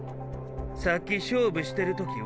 さっき勝負してる時笑